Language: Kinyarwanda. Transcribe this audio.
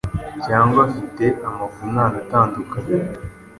cyangwa afite amavunane atandukanye